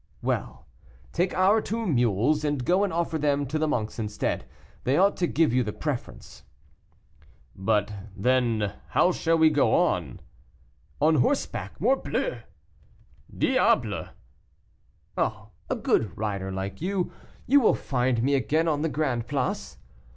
"Well, take our two mules and go and offer them to the monks instead; they ought to give you the preference." "But, then, how shall we go on?" "On horseback, morbleu." "Diable!" "Oh! a good rider like you. You will find me again on the Grand Place."